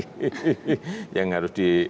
yang harus diselesaikan dengan sepenuhnya